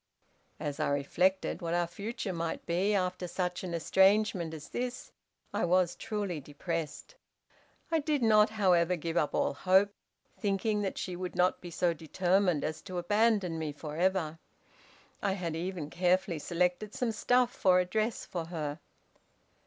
"As I reflected what our future might be after such an estrangement as this, I was truly depressed. I did not, however, give up all hope, thinking that she would not be so determined as to abandon me forever. I had even carefully selected some stuff for a dress for her.